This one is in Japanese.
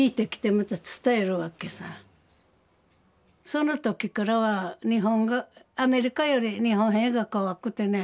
その時からはアメリカより日本兵が怖くてね。